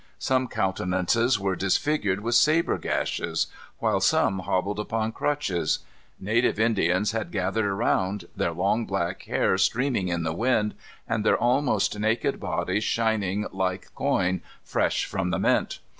Some countenances were disfigured with sabre gashes; while some hobbled upon crutches. Native Indians had gathered around, their long, black hair streaming in the wind, and their almost naked bodies shining like coin fresh from the mint.